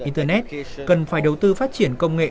internet cần phải đầu tư phát triển công nghệ